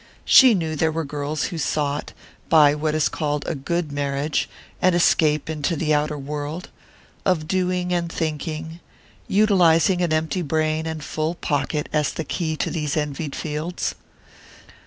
She knew there were girls who sought, by what is called a "good" marriage, an escape into the outer world, of doing and thinking utilizing an empty brain and full pocket as the key to these envied fields.